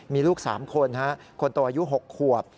มีลูก๓คนคนโตอายุ๖ขวบ